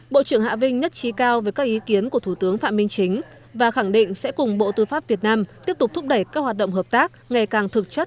bộ trưởng hạ vinh nhất trí cao với các ý kiến của thủ tướng phạm minh chính và khẳng định sẽ cùng bộ tư pháp việt nam tiếp tục thúc đẩy các hoạt động hợp tác ngày càng thực chất